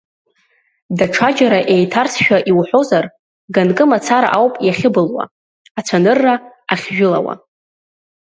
Даҽаџьара, еиҭарсшәа иуҳәозар, ганкы мацара ауп иахьыбылуа, ацәанырра ахьжәылауа.